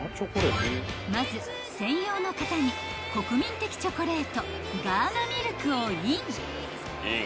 ［まず専用の型に国民的チョコレートガーナミルクをイン］